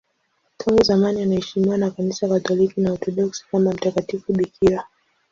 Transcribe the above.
Tangu zamani anaheshimiwa na Kanisa Katoliki na Waorthodoksi kama mtakatifu bikira.